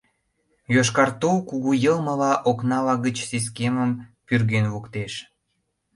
Йошкар тул кугу йылмыла окнала гыч сескемым пӱрген луктеш.